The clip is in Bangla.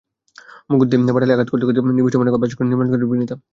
মুগুর দিয়ে বাটালি আঘাত করতে করতে নিবিষ্ট মনে ভাস্কর্যটি নির্মাণ করছে বিনিতা।